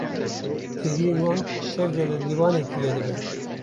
Deriyên wan tev de li lîwanekê vedibin.